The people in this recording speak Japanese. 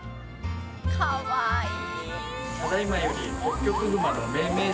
かわいい！